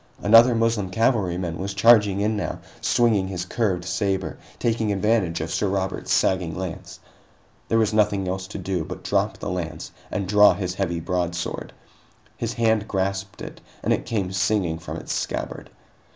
Another Moslem cavalryman was charging in now, swinging his curved saber, taking advantage of Sir Robert's sagging lance. There was nothing else to do but drop the lance and draw his heavy broadsword. His hand grasped it, and it came singing from its scabbard.